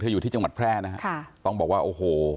อยู่ที่จังหวัดแพร่นะฮะค่ะต้องบอกว่าโอ้โห